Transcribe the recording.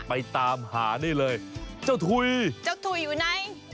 ไปตามหานี่เลยเจ้าถุยเจ้าถุยอยู่ไหน